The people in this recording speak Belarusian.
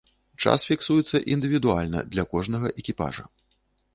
Час фіксуецца індывідуальна для кожнага экіпажа.